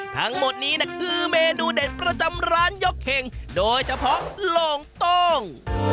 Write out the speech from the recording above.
ทั้งหมดนี้คือเมนูเด็ดประจำร้านยกเข่งโดยเฉพาะโล่งโต้ง